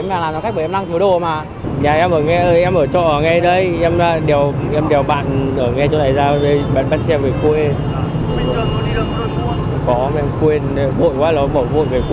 có mà em quên vội quá nó bỏ vội về quê em vội quá thì em lấy cũng mất